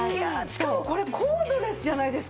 しかもこれコードレスじゃないですか。